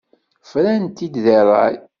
Frant-t-id deg ṛṛay.